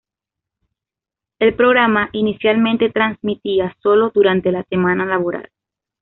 El programa inicialmente transmitía sólo durante la semana laboral.